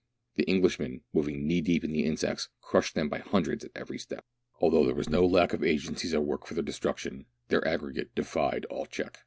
The Englishmen, moving knee deep in the insects, crushed them by hundreds at every step. Although there was no lack of agencies at work for their destruction, their aggregate defied all check.